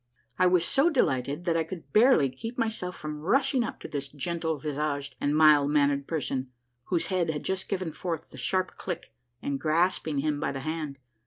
I was so delighted that I could barely keep myself from rush ing up to this gentle visaged and mild mannered person, whose head had just given forth the sharp click, and grasping him by the hand.